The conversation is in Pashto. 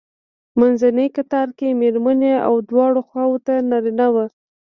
منځنی کتار کې مېرمنې او دواړو خواوو ته نارینه وو.